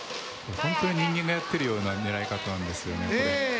本当に人間がやってるような狙い方なんですよねこれ。